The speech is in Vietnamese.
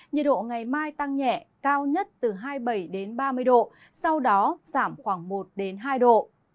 nhiệt độ ngày mai tăng nhẹ cao nhất từ hai mươi bảy ba mươi độ sau đó giảm khoảng một hai độ